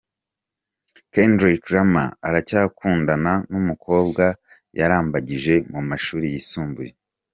Kendrick Lamar aracyakundana n’umukobwa yarambagije mu mashuri yisumbuye.